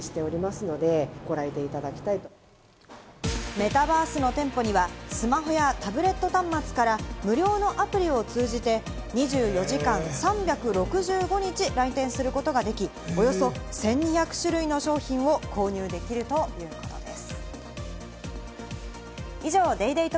メタバースの店舗には、スマホやタブレット端末から無料のアプリを通じて２４時間３６５日来店することができ、およそ１２００種類の商品を購入できるということです。